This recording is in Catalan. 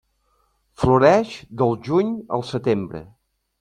Floreix del juny al setembre.